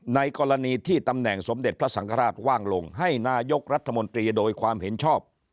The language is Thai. ในกรณีที่ตำแหน่งสมเด็จพระสังฆราชว่างลงให้นายกรัฐมนตรีโดยความเห็นชอบ